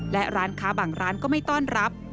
และร้านค้าบางร้านก็ไม่ต้อนรับ